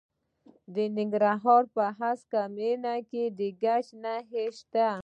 د ننګرهار په هسکه مینه کې د ګچ نښې شته.